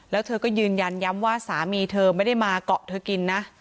แล้วเธอก็ยืนยันย้ำว่าสามีเธอไม่ได้มาเกาะเธอกินนะ